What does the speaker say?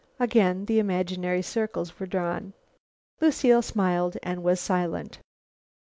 Again the imaginary circles were drawn. Lucile smiled and was silent.